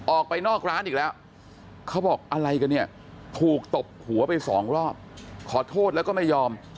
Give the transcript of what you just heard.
ออกไปนอกร้านอีกแล้วเขาบอกอะไรกันเนี่ยถูกตบหัวไปสองรอบขอโทษแล้วก็ไม่ยอม